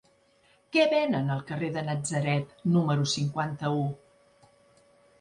Què venen al carrer de Natzaret número cinquanta-u?